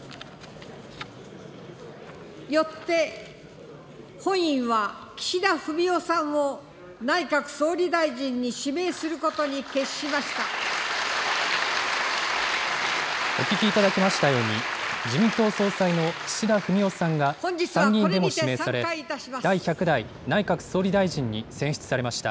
よって、本院は岸田文雄さんを内閣総理大臣に指名することに決しお聞きいただきましたように、自民党総裁の岸田文雄さんが参議院でも指名され、第１００代内閣総理大臣に選出されました。